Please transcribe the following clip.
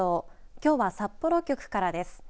きょうは札幌局からです。